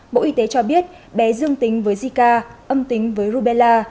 bộ y tế cho biết bé dương tính với zika âm tính với rubella